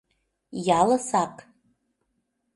Ялысак.